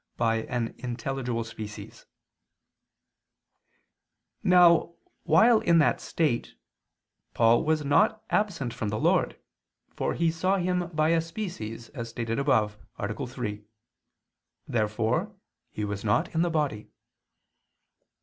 by an intelligible species]. Now, while in that state, Paul was not absent from the Lord, for he saw Him by a species, as stated above (A. 3). Therefore he was not in the body.